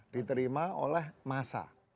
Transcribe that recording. diterima oleh massa